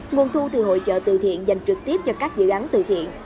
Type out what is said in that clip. nguồn thu từ hội trợ từ thiện dành trực tiếp cho các dự án từ thiện